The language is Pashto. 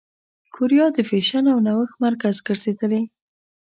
کوریا د فېشن او نوښت مرکز ګرځېدلې.